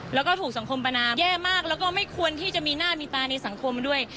แล้วก็ถูกสังคมประนามแย่มากแล้วก็ไม่ควรที่จะมีหน้ามีตาในสังคมด้วย